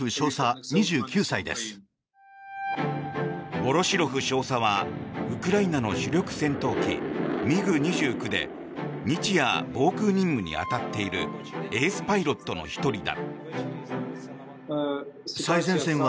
ヴォロシロフ少佐はウクライナの主力戦闘機ＭｉＧ２９で日夜、防空任務に当たっているエースパイロットの１人だ。